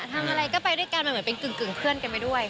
ทำอะไรก็ไปด้วยกันมันเหมือนเป็นกึ่งเพื่อนกันไปด้วย